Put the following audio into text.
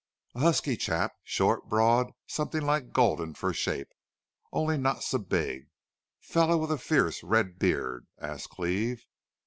"A husky chap, short, broad, something like Gulden for shape, only not so big fellow with a fierce red beard?" asked Cleve.